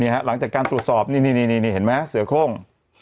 เนี่ยฮะหลังจากการตรวจสอบนี่นี่นี่นี่นี่เห็นไหมฮะเสือโค้ง